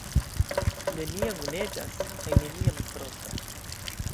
Neniam neĝas kaj neniam frostas.